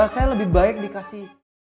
saya lebih baik dikasih